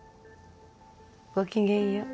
ごきげんよう